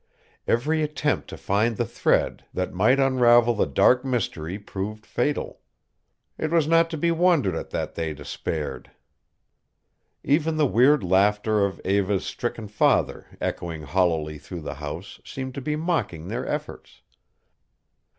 Every attempt to find the thread that might unravel the dark mystery proved futile. It was not to be wondered at that they despaired. Even the weird laughter of Eva's stricken father, echoing hollowly through the house, seemed to be mocking their efforts.